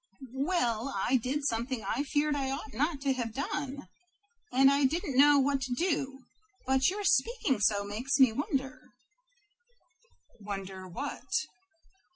"Well, I did something I feared I ought not to have done. And I didn't know what to do, but your speaking so makes me wonder " "Wonder what?"